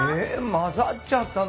混ざっちゃったの？